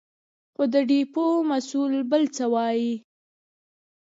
خو د ډېپو مسوول بل څه وايې.